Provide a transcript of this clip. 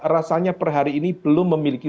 rasanya per hari ini belum memiliki